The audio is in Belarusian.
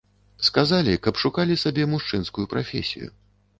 Сказалі, каб шукалі сабе мужчынскую прафесію.